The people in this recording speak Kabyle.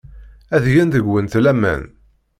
Ad gen deg-went laman.